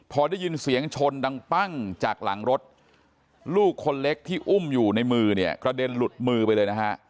พอได้ยินเสียงชนดังปั้งจากหลังรถลูกคนเล็กที่อุ้มอยู่ในมือเนี่ยกระเด็นหลุดมือไปเลยนะฮะ